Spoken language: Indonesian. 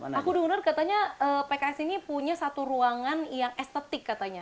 aku dengar katanya pks ini punya satu ruangan yang estetik katanya